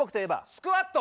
スクワット。